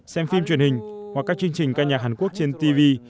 xem phim truyền hình hoặc các chương trình ca nhạc hàn quốc trên tv